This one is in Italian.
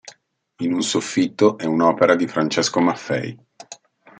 In un soffitto è un'opera di Francesco Maffei.